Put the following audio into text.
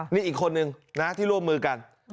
นี่อีกคนนึงนะที่ร่วมมือกัน